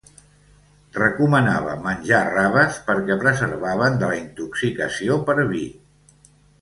Recomanava menjar raves perquè preservaven de la intoxicació per vi.